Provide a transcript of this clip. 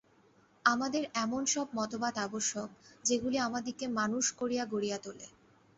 আমাদের এমন সব মতবাদ আবশ্যক, যেগুলি আমাদিগকে মানুষ করিয়া গড়িয়া তোলে।